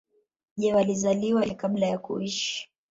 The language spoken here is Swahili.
Je walizaliwa ili wafe kabla ya kuishi